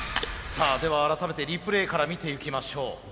さあでは改めてリプレーから見ていきましょう。